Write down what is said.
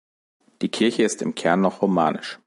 Die Kirche ist im Kern noch romanisch.